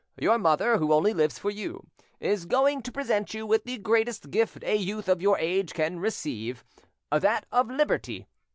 Your mother, who only lives for you, is going to present you with the greatest gift a youth of your age can receive—that of liberty.